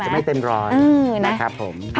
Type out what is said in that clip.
อาจจะไม่เต็มร้อนนะครับผม